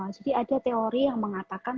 jadi ada teori yang mengatakan